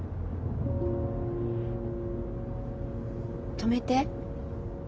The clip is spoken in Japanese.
止めて。